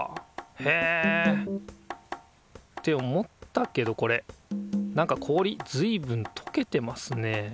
へえ。って思ったけどこれなんか氷ずいぶんとけてますね。